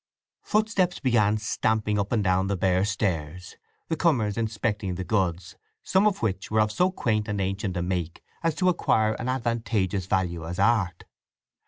Footsteps began stamping up and down the bare stairs, the comers inspecting the goods, some of which were of so quaint and ancient a make as to acquire an adventitious value as art.